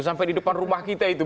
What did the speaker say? sampai di depan rumah kita itu